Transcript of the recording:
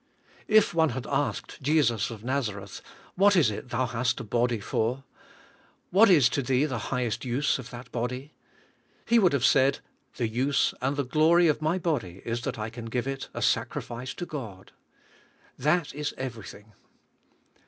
If one had asked Jesus of Nazareth, "What is it Thou hast a body for; what is to Thee the highest use of the body ?" He would have said, "The use and the glory of my body is that I can give it a sacrifice to God. That is everything."